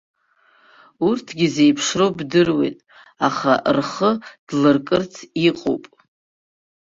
Урҭгьы зеиԥшроу бдыруеит, аха рхы длыркырц иҟоуп.